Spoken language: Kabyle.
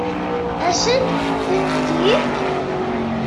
Ad asent-tent-yefk?